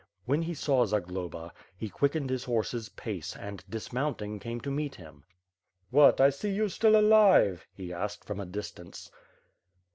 When he saw Zagloba, he quickened his horse's pace and, dismoun ing, came to meet him. "What, I see you still alive!" he asked, from a distance.